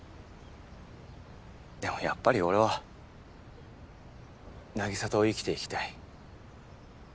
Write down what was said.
でもやっぱり俺は凪沙と生きていきたい。